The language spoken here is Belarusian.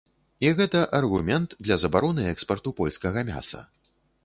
І гэта аргумент для забароны экспарту польскага мяса.